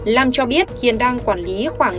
lam cho biết hiện đang quản lý khoảng